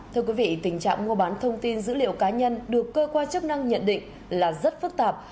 thưa quý vị tình trạng mua bán thông tin dữ liệu cá nhân được cơ quan chức năng nhận định là rất phức tạp